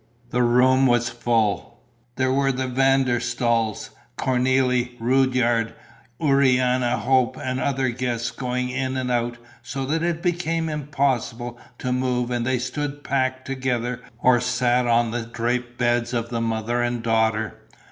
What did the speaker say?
The room was full: there were the Van der Staals, Cornélie, Rudyard, Urania Hope and other guests going in and out, so that it became impossible to move and they stood packed together or sat on the draped beds of the mother and daughter.